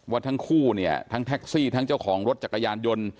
ว่าทั้งคู่เนี่ยทั้งแท็กซี่ทั้งเจ้าของรถจักรยานยนต์